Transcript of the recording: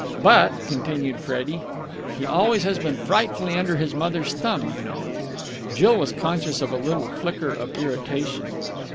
"But," continued Freddie, "he always has been frightfully under his mother's thumb, you know." Jill was conscious of a little flicker of irritation.